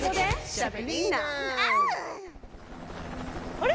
あれ？